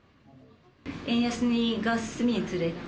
円安が進むにつれて、